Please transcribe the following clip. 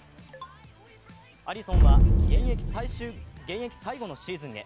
アリソンは現役最後のシーズンへ。